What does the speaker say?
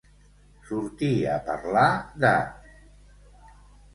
Sortir a parlar de.